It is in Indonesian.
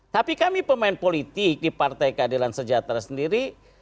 tapi kami pemain politik di partai keadilan sejahtera sendiri